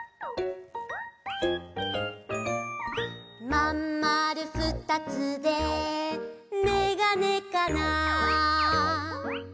「まんまるふたつでメガネかな」